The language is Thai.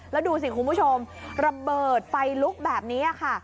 แล้วดูสิคุณผู้ชมระเบิดไฟลุกแบบนี้ค่ะ